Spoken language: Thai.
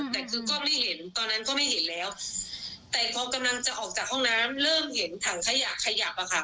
แต่คือก็ไม่เห็นตอนนั้นก็ไม่เห็นแล้วแต่พอกำลังจะออกจากห้องน้ำเริ่มเห็นถังขยะขยับอ่ะค่ะ